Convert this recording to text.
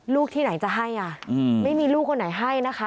ที่ไหนจะให้อ่ะไม่มีลูกคนไหนให้นะคะ